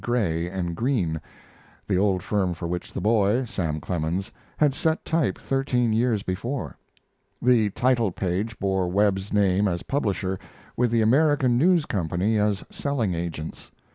Gray & Green, the old firm for which the boy, Sam Clemens, had set type thirteen years before. The title page bore Webb's name as publisher, with the American News Company as selling agents.